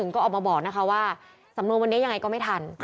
ก็ออกมาบอกนะคะว่าสำนวนวันนี้ยังไงก็ไม่ทัน